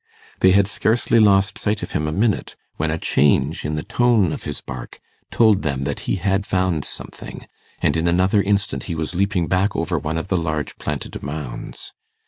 They had scarcely lost sight of him a minute when a change in the tone of his bark told them that he had found something, and in another instant he was leaping back over one of the large planted mounds.